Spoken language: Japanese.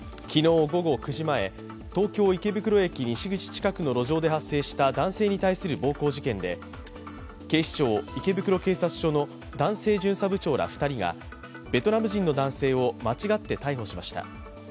昨日午後９時前、東京・池袋駅の西口近くの路上で発生した男性に対する暴行事件で、警視庁池袋警察署の男性巡査部長ら２人がベトナム人の男性を間違って逮捕しました。